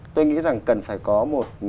tôi nghĩ rằng cần phải có một